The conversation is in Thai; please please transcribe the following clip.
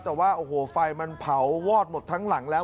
แต่ว่าโอ้โหไฟมันเผาวอดหมดทั้งหลังแล้ว